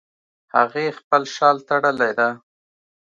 هغې خپل شال تړلی ده